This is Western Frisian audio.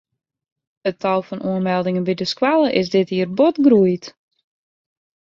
It tal oanmeldingen by de skoalle is dit jier bot groeid.